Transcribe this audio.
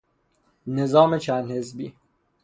نظام چند حزبی